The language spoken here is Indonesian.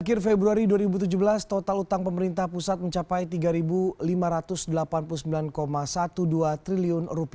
akhir februari dua ribu tujuh belas total utang pemerintah pusat mencapai rp tiga lima ratus delapan puluh sembilan dua belas triliun